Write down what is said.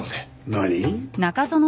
何？